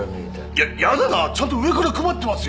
ややだなちゃんと上から配ってますよ！